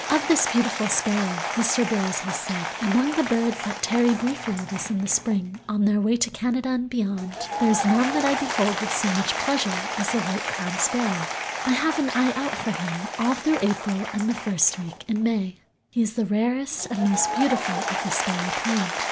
Of this beautiful Sparrow Mr. Burroughs has said: "Among the birds that tarry briefly with us in the spring on their way to Canada and beyond, there is none that I behold with so much pleasure as the White crowned Sparrow. I have an eye out for him all through April and the first week in May. He is the rarest and most beautiful of the sparrow kind.